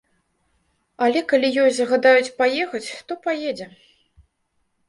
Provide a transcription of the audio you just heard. Але калі ёй загадаюць паехаць, то паедзе.